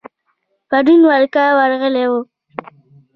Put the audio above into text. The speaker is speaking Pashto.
پرون ور کره ورغلی وم.